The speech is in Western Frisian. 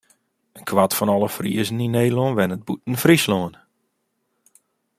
In kwart fan alle Friezen yn Nederlân wennet bûten Fryslân.